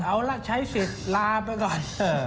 เอาละใช้สิทธิ์ลาไปก่อน